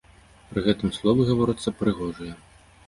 Пры гэтым словы гаворацца прыгожыя.